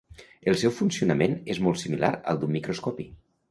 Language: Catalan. El seu funcionament és molt similar al d'un microscopi.